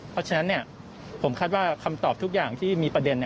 เพราะฉะนั้นผมคาดว่าคำตอบทุกอย่างที่มีประเด็น